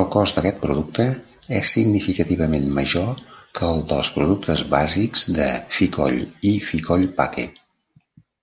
El cost d'aquest producte és significativament major que el dels productes bàsics de Ficoll i Ficoll-Paque.